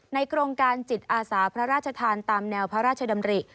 โครงการจิตอาสาพระราชทานตามแนวพระราชดำริ